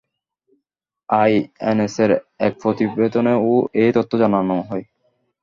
আইএএনএসের এক প্রতিবেদনে এ তথ্য জানানো হয়।